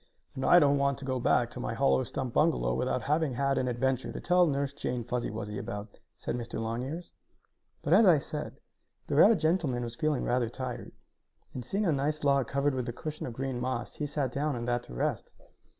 "And I don't want to go back to my hollow stump bungalow without having had an adventure to tell Nurse Jane Fuzzy Wuzzy about," said Mr. Longears. But, as I said, the rabbit gentleman was feeling rather tired, and, seeing a nice log covered with a cushion of green moss, he sat down on that to rest.